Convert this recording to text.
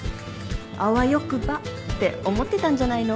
あわよくばって思ってたんじゃないの？